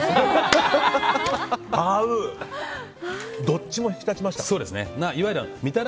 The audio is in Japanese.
どっちも引き立ちました。